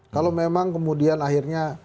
kalau memang kemudian akhirnya